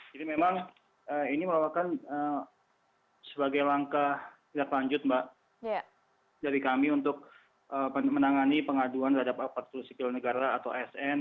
jadi memang ini merupakan sebagai langkah tidak lanjut mbak dari kami untuk menangani pengaduan terhadap apatrus iklan negara atau asn